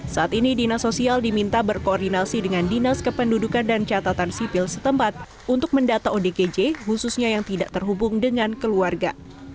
saat ini dinas sosial diminta berkoordinasi dengan dinas kependudukan dan catatan sipil setempat untuk mendata odgj khususnya yang tidak terhubung dengan keluarga